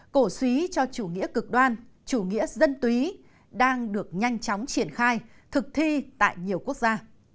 cổ suý cho chủ nghĩa cực đoan chủ nghĩa dân túy đang được nhanh chóng triển khai thực thi tại nhiều quốc gia